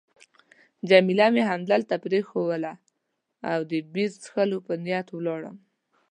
جميله مې همدلته پرېښووله او د بیر څښلو په نیت ولاړم.